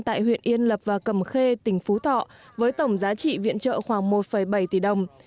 tại huyện yên lập và cầm khê tỉnh phú thọ với tổng giá trị viện trợ khoảng một bảy tỷ đồng